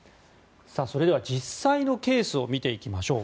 それでは実際のケースを見ていきましょう。